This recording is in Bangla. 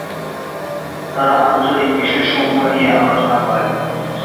তারা আঞ্চলিক বিষয়সমূহ নিয়ে আলোচনা করেন।